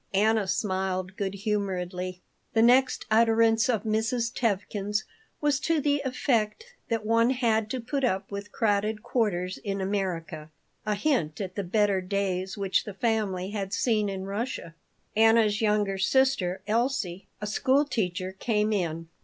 Anna smiled good humoredly The next utterance of Mrs. Tevkin's was to the effect that one had to put up with crowded quarters in America a hint at the better days which the family had seen in Russia Anna's younger sister, Elsie, a school teacher, came in.